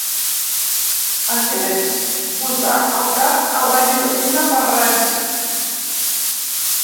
Hagués posat el cap a la guillotina per res.